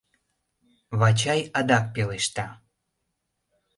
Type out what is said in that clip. — Вачай адак пелешта.